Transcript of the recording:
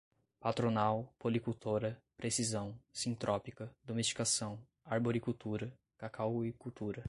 patronal, policultora, precisão, sintrópica, domesticação, arboricultura, cacauicultura